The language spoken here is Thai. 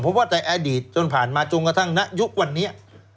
เพราะว่าในอดีตจนผ่านมาจนกระทั่งนักยุควันนี้